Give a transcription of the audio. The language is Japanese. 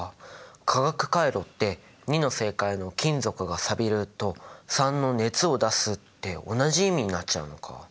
化学カイロって２の正解の「金属がさびる」と３の「熱をだす」って同じ意味になっちゃうのか。